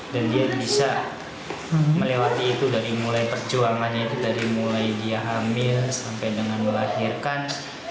dia bisa melewati itu dari mulai perjuangannya itu dari mulai dia hamil sampai dengan melahirkan